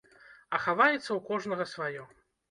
А хаваецца ў кожнага сваё.